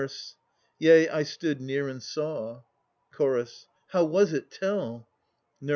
Yea, I stood near and saw. CH. How was it? Tell! NUR.